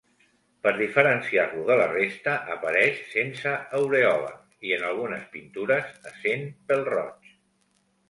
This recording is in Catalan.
Per diferenciar-lo de la resta, apareix sense aurèola i en algunes pintures, essent pèl-roig.